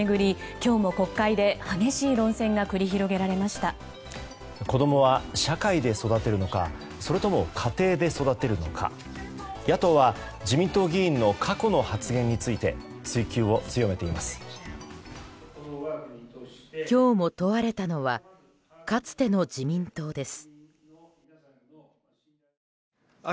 今日も問われたのはかつての自民党です。